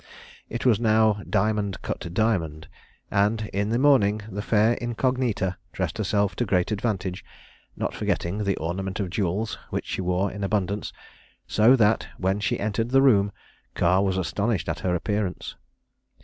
It was now "diamond cut diamond," and in the morning the fair incognita dressed herself to great advantage, not forgetting the ornament of jewels, which she wore in abundance; so that when she entered the room, Carr was astonished at her appearance.